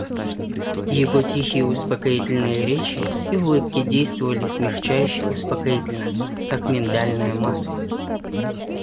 Его тихие успокоительные речи и улыбки действовали смягчающе успокоительно, как миндальное масло.